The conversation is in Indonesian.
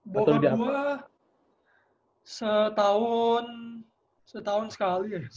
bokap gue setahun sekali ya